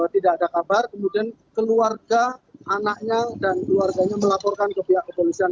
tidak ada kabar kemudian keluarga anaknya dan keluarganya melaporkan ke pihak kepolisian